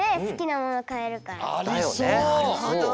なるほど。